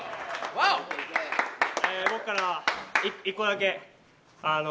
僕からは１個だけ。